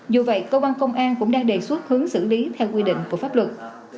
dù vậy cơ quan công an cũng đang đề xuất hướng xử lý theo quy định của pháp luật